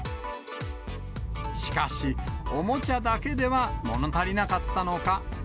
しかし、おもちゃだけではもの足りなかったのか。